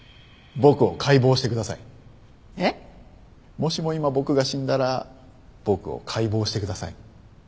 もしも今僕が死んだら僕を解剖してください。